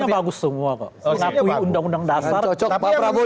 isinya bagus tapi tidak cocok pak prabowo